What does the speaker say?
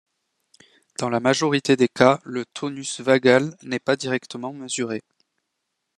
Dans la majorité des cas, le tonus vagal n'est pas directement mesuré.